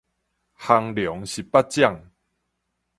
降龍十八掌